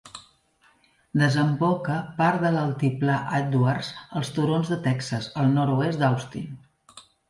Desemboca part de l'altiplà Edwards als Turons de Texas, al nord-oest d'Austin.